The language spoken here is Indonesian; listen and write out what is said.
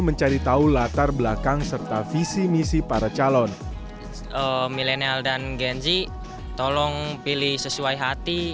mencari tahu latar belakang serta visi misi para calon milenial dan gen z tolong pilih sesuai hati